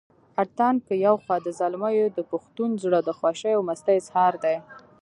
اتڼ که يو خوا د زلميو دپښتون زړه دشوخۍ او مستۍ اظهار دے